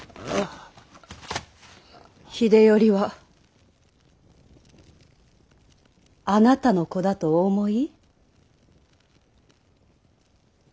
秀頼はあなたの子だとお思い？